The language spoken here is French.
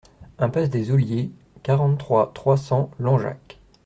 Impasse des Olliers, quarante-trois, trois cents Langeac